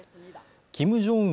キム・ジョンウン